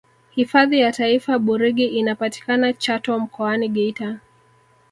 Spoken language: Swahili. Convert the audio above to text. hifadhi ya taifa burigi inapatikana chato mkoani geita